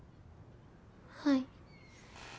はい。